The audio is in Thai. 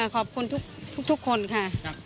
ขอบคุณทุกคนค่ะ